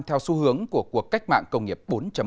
theo xu hướng của cuộc cách mạng công nghiệp bốn